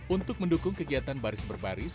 untuk mendukung kegiatan baris baris